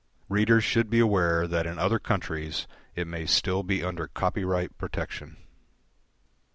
Readers should be aware that in other countries it may still be under copyright protection.